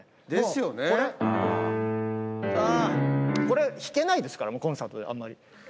これ弾けないですからコンサートであんまり。